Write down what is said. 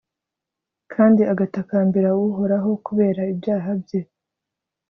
kandi agatakambira uhoraho kubera ibyaha bye